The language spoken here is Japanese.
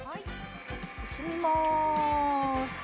進みまーす。